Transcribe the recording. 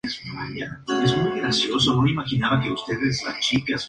Pertenecía a la diócesis de León; audiencia territorial y capitanía general de Valladolid.